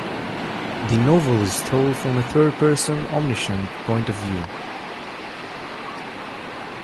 The novel is told from a third-person omniscient point of view.